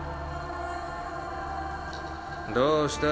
どうした？